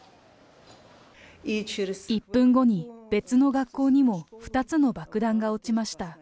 １分後に別の学校にも２つの爆弾が落ちました。